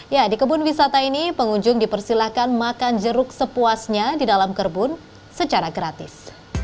ya di kebun wisata ini pengunjung dipersilahkan makan jeruk sepuasnya di dalam kerbun secara gratis